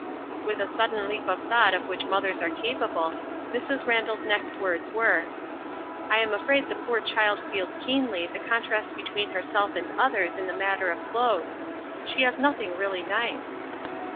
With a sudden leap of thought of which mothers are capable, Mrs. Randall's next words were ;— "I am afraid the poor child feels keenly the contrast between herself and others in the matter of clothes. She has nothing really nice."